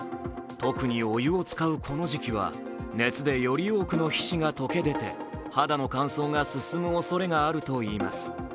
特にお湯を使うこの時期は熱でより多くの皮脂が溶け出て肌の乾燥が進むおそれがあるといいます。